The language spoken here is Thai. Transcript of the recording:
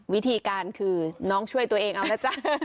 วิธีการคือน้องช่วยตัวเองเอานะจ๊ะ